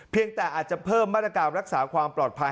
แต่อาจจะเพิ่มมาตรการรักษาความปลอดภัย